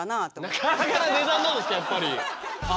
やっぱり。